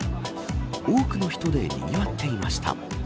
多くの人でにぎわっていました。